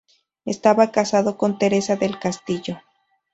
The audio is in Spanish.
Estaba casado con Teresa del Castillo.